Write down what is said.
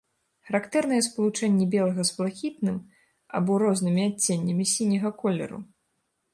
Характэрныя спалучэнні белага з блакітным або рознымі адценнямі сіняга колеру.